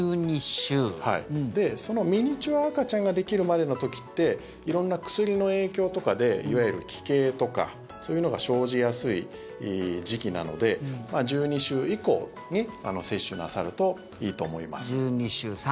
そのミニチュア赤ちゃんができるまでの時って色んな薬の影響とかでいわゆる奇形とかそういうのが生じやすい時期なので１２週以降に接種なさるといいと思います。